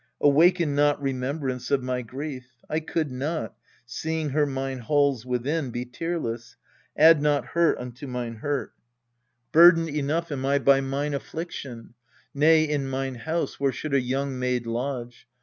Awaken not remembrance of my grief. I could not, seeing her mine halls within, Be tearless : add not hurt unto mine hurt. 9 234 EURIPIDES Burdened enough am I by mine affliction. Nay, in mine house where should a young maid lodge?